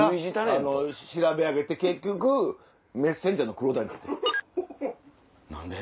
調べ上げて結局メッセンジャーの黒田になった。